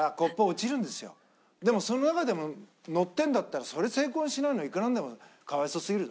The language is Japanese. でもそのままでものってんだったらそれ成功にしないのいくらなんでもかわいそうすぎる。